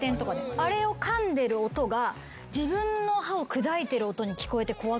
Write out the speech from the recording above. あれをかんでる音が自分の歯を砕いてる音に聞こえて怖くなっちゃう。